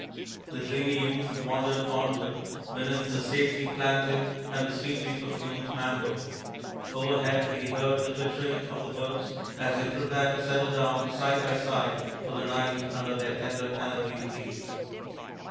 The dreamy youth wandered onward beneath the stately plantain and the sweetly perfumed mango. Overhead he heard the twittering of the birds as they prepared to settle down side by side for the night under their tender canopy of leaves.